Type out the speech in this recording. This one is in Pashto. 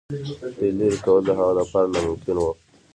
دوی لیري کول د هغه لپاره ناممکن وه.